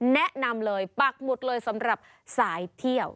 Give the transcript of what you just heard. แนะนำเลยปักหมุดเลยสำหรับสายเที่ยว